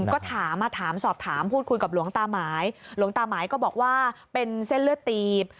ก็ถามถามสอบถามพูดคุยกับหลวงตาหมายหลวงตาหมายก็บอกว่าเป็นเส้นเลือดตีบ